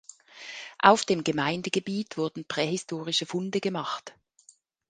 Auf dem Gemeindegebiet wurden prähistorische Funde gemacht.